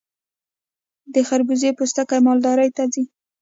د خربوزې پوستکي مالداري ته ځي.